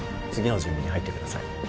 次の準備に入ってください